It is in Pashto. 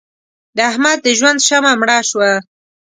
د احمد د ژوند شمع مړه شوه.